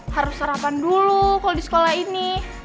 harus sarapan dulu kalau di sekolah ini